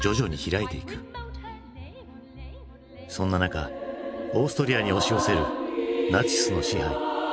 そんな中オーストリアに押し寄せるナチスの支配。